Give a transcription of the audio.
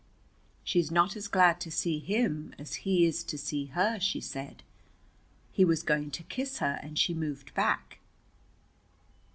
"She's not as glad to see him as he is to see her," she said. "He was going to kiss her, and she moved back."